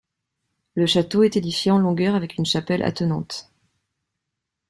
Le château est édifié en longueur avec une chapelle attenante.